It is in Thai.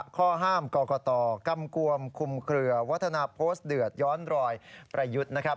ข้อห้ามกรกตกำกวมคุมเครือวัฒนาโพสต์เดือดย้อนรอยประยุทธ์นะครับ